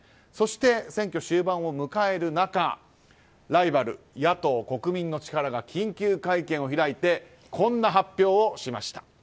そして、選挙終盤を迎える中ライバルの野党・国民の力が緊急会見を開いてこんな発表をしました。